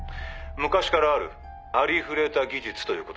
昔からあるありふれた技術ということです。